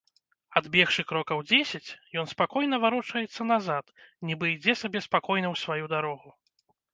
Адбегшы крокаў дзесяць, ён спакойна варочаецца назад, нібы ідзе сабе спакойна ў сваю дарогу.